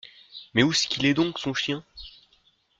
Mais ousqu’il est donc, son chien ?